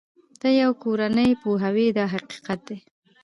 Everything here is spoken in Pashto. ته یوه کورنۍ پوهوې دا حقیقت دی.